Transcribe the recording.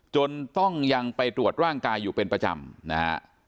จนต้องยังไปตรวจร่างกายอยู่เป็นประจำนะฮะ